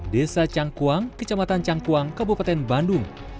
desa cangkuang kecamatan cangkuang kabupaten bandung